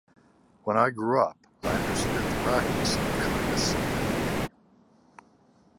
When I grew up, I understood the practice of kindness and duty.